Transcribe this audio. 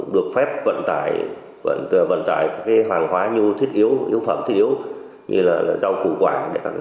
từ đầu năm đến nay